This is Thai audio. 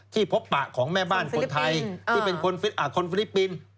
พบปะของแม่บ้านคนไทยที่เป็นคนฟิลิปปินส์